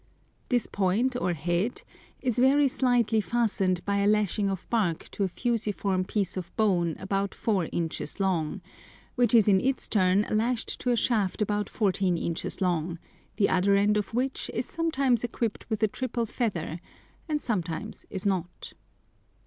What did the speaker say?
This point or head is very slightly fastened by a lashing of bark to a fusiform piece of bone about four inches long, which is in its turn lashed to a shaft about fourteen inches long, the other end of which is sometimes equipped with a triple feather and sometimes is not.